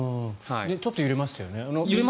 ちょっと揺れましたよね。